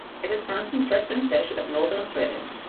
It is found in threadfin fish of Northern Australia.